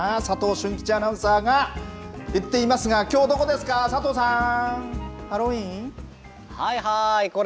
俊吉アナウンサーが行っていますがきょう、どこですか佐藤さん。